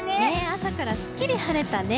朝からすっきり晴れたね。